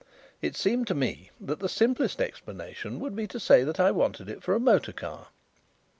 "It seemed to me that the simplest explanation would be to say that I wanted it for a motor car.